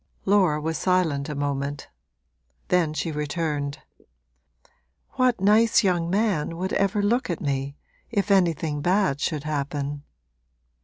Laura was silent a moment; then she returned: 'What nice young man would ever look at me, if anything bad should happen?'